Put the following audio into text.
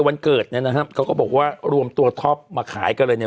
วันเกิดเนี่ยนะฮะเขาก็บอกว่ารวมตัวท็อปมาขายกันเลยเนี่ย